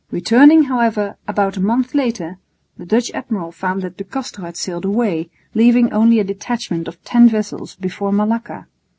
Returning, however, about a month later, the Dutch admiral found that De Castro had sailed away, leaving only a detachment of ten vessels before Malacca.